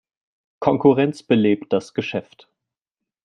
Konkurrenz belebt das Geschäft.